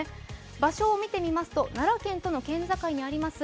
場所を見てみますと、奈良県との県境にあります